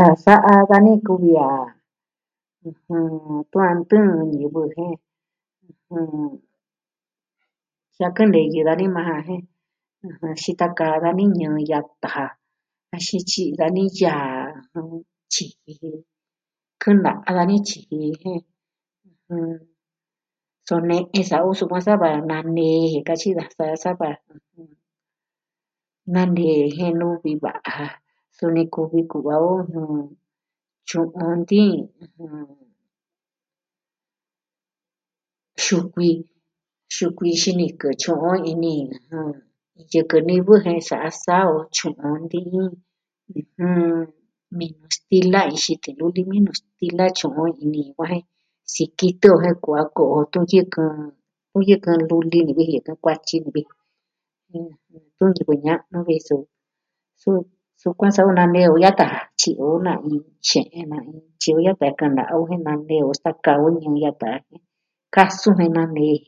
A sa'a dani kuvi a, ɨjɨn... tun a ntɨɨn ñivɨ jen, ɨjɨn... jiakɨn neyɨ dani maa ja jen, xita kaa dani ñɨɨ yata ja. Axin tyi'i dani yaa. ɨjɨn... tyiji ji, Kɨna'a dani tyiji, jen... so ne'e sa'a o sukuan sava nanee katyi daja sava nanee jen nuvi va'a ja. Suni kuvi ku'va o. Tyu'un nti'in, xukui, xukui xinikɨ tyu'un on ini yɨkɨ nivɨ je sa'a saa o, tyu'un on nti'in, ɨjɨn... minu stila, iin xitin luli minu stila tyu'un ini yukuan jen, sikitɨ jen kua'an o ko'o jo tɨɨn yɨkɨn. Ku yɨkɨn luli ni vi ji tun kuatyi ni vi ji. ɨjɨn, tu ñivɨ ña'nu vi ji, suu, sukuan sa'a o nanee o yata ja. Tyi'i o na'in xe'en na'in. Tyi'i o yata o jen kɨna'a o jen nanee o staka o ñɨɨ yata jen kasun jen nanee je.